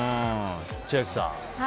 千秋さん。